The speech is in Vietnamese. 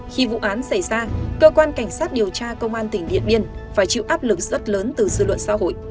khi vụ án xảy ra cơ quan cảnh sát điều tra công an tỉnh điện biên phải chịu áp lực rất lớn từ dư luận xã hội